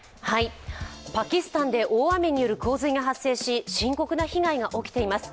パキスタンで大雨による洪水が発生し深刻な被害が起きています。